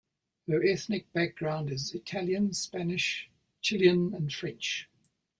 Her ethnic background is Italian, Spanish, Chilean and French.